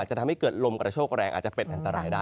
จะทำให้เกิดลมกระโชคแรงอาจจะเป็นอันตรายได้